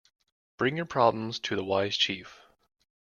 Bring your problems to the wise chief.